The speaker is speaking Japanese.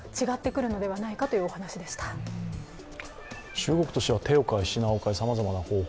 中国としては手を変え品を変え、さまざまな方法。